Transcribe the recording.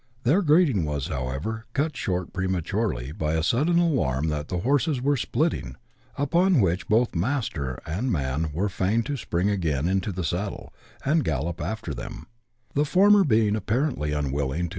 Their greeting was, however, cut short j)rematurely by a sudden alarm that tlie horses were "splitting," upon which both niast(T and man were fain to s{)ring again into the saddle, and gallop after them ; the former being jipparently unwilling to (l